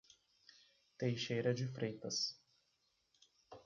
Teixeira de Freitas